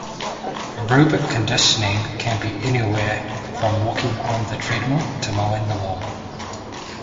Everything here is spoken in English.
Aerobic conditioning can be anywhere from walking on the treadmill to mowing the lawn.